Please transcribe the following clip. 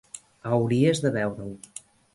Hauries de veure-ho.